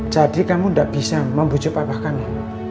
jadi kamu gak bisa membujuk papa kami